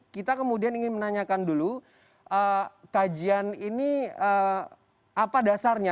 kita kemudian ingin menanyakan dulu kajian ini apa dasarnya